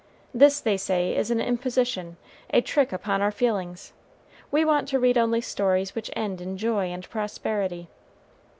This, they say, is an imposition, a trick upon our feelings. We want to read only stories which end in joy and prosperity.